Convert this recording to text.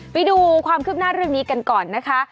ไปดูความคืบหน้าเรื่องนี้กันก่อนนะคะ